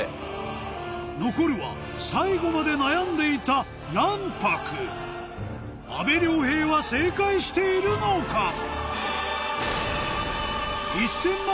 残るは最後まで悩んでいた卵白阿部亮平は正解しているのか？